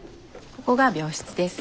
ここが病室です。